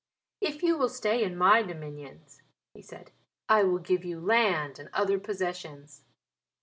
"If you will stay in my dominions," he said, "I will give you land and other possessions."